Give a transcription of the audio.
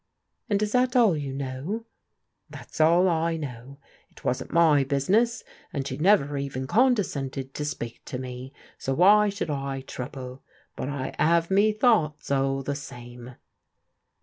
" And is that all you know? "" That's all I know. It wasn't my business, and she never even condescended to speak to me, so why should I trouble? But I 'ave me thoughts all the same."